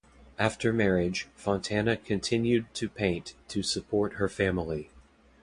After marriage, Fontana continued to paint to support her family.